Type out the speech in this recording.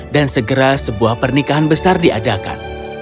dan segera sebuah pernikahan besar diadakan